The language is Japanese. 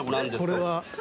これは。